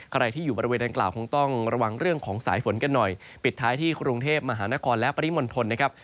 ใครที่อยู่บริเวณดังกล่าวคงต้องระวังเรื่องของสายฝนกันหน่อยปิดท้ายที่กรุงเทพมหานครและปริมณฑลนะครับ